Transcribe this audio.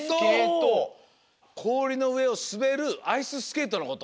こおりのうえをすべるアイススケートのこと？